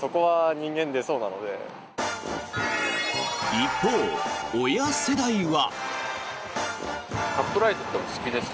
一方、親世代は。